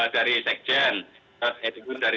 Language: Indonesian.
jisen kan dari